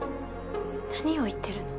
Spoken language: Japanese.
何を言ってるの？